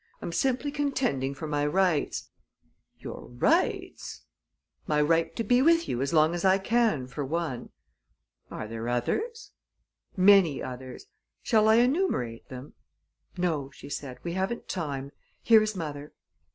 "I'm simply contending for my rights." "Your rights?" "My right to be with you as long as I can, for one." "Are there others?" "Many others. Shall I enumerate them?" "No," she said, "we haven't time. Here is mother."